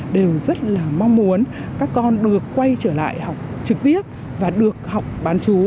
đều rất là mong muốn các con được quay trở lại học trực tiếp và được học bán chú